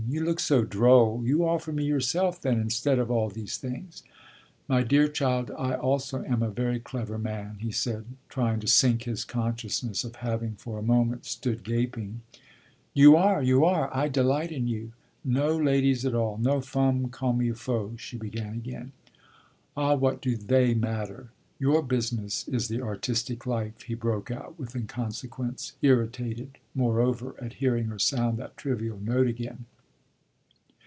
"You look so droll! You offer me yourself, then, instead of all these things." "My dear child, I also am a very clever man," he said, trying to sink his consciousness of having for a moment stood gaping. "You are you are; I delight in you. No ladies at all no femmes comme il faut?" she began again. "Ah what do they matter? Your business is the artistic life!" he broke out with inconsequence, irritated, moreover, at hearing her sound that trivial note again.